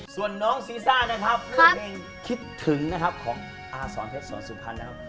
ส่วนน้องซีซ่านะครับคือเพลงคิดถึงนะครับของอาสอนเพชรสอนสุพรรณนะครับ